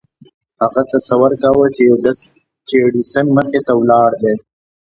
هغه تصور کاوه چې د ايډېسن مخې ته ولاړ دی.